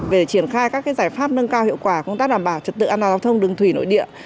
về triển khai các giải pháp nâng cao hiệu quả công tác đảm bảo trật tự an toàn giao thông đường thủy nội địa